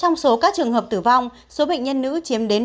trong số các trường hợp tử vong số bệnh nhân nữ chiếm đến năm mươi tám năm